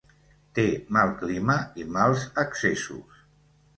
Té mal clima i mals accessos.